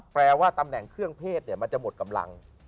แปลว่าตำแหน่งเครื่องเพศมันจะหมดกำลัง